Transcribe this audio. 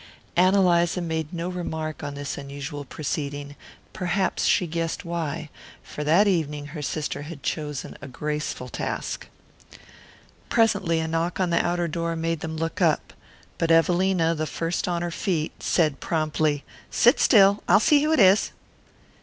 Ann Eliza made no remark on this unusual proceeding; perhaps she guessed why, for that evening her sister had chosen a graceful task. Presently a knock on the outer door made them look up; but Evelina, the first on her feet, said promptly: "Sit still. I'll see who it is."